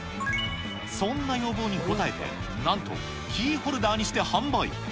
そんな要望に応えて、なんとキーホルダーにして販売。